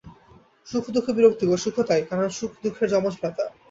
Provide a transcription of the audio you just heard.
দুঃখ যেমন বিরক্তিকর, সুখও তাই, কারণ সুখ দুঃখের যমজ ভ্রাতা।